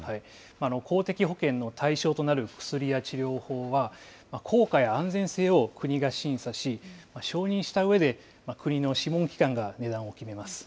公的保険の対象となる薬や治療法は、効果や安全性を国が審査し、承認したうえで国の諮問機関が値段を決めます。